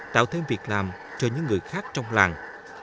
tạo thêm việc làm cho những người khác trong làng